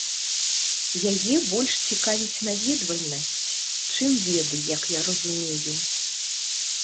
Яе больш цікавіць наведвальнасць, чым веды, як я разумею.